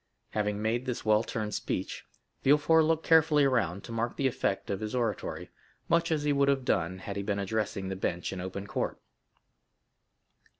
Having made this well turned speech, Villefort looked carefully around to mark the effect of his oratory, much as he would have done had he been addressing the bench in open court.